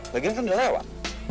bagian kan udah lewat